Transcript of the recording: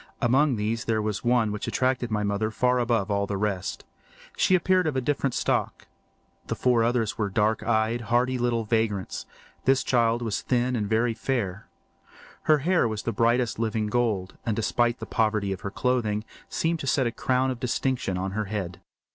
Among these there was one which attracted my mother far above all the rest. She appeared of a different stock. The four others were dark eyed, hardy little vagrants; this child was thin and very fair. Her hair was the brightest living gold, and despite the poverty of her clothing, seemed to set a crown of distinction on her head.